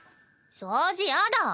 掃除やだ。